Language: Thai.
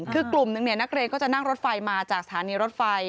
คือกลุ่มนี้นักเรียนก็จะนั่งรถไฟมาจากอาทิตย์รถไฟ